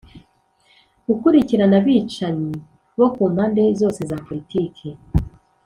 gukurikirana abicanyi bo ku mpande zose za politiki.